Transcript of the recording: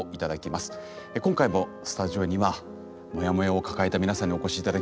今回もスタジオにはモヤモヤを抱えたみなさんにお越し頂きました。